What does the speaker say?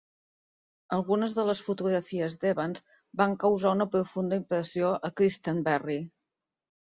Algunes de les fotografies d'Evans van causar una profunda impressió a Christenberry.